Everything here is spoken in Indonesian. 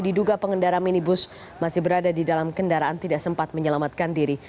diduga pengendara minibus masih berada di dalam kendaraan tidak sempat menyelamatkan diri